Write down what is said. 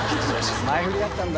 前振りだったんだ。